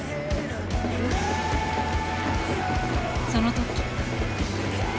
その時。